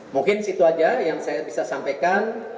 mungkin itu saja yang saya bisa sampaikan